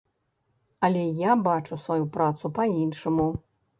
Але я бачу сваю працу па-іншаму.